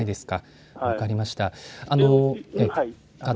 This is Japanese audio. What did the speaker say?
分かりました。